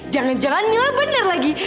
jangan jangan nilai bener lagi